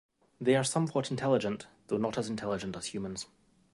They are somewhat intelligent, though not as intelligent as humans.